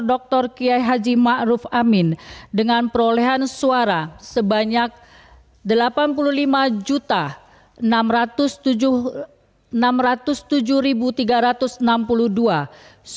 dr kiai haji ma'ruf amin dengan perolehan suara sebanyak delapan puluh lima juta enam ratus tujuh enam ratus